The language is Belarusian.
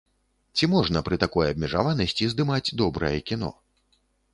Ці можна пры такой абмежаванасці здымаць добрае кіно?